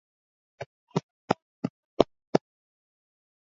Hiyo ilifungua milango kwa vijana wengi kuanza kufanya mziki